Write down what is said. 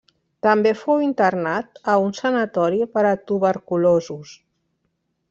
També fou internat a un sanatori per a tuberculosos.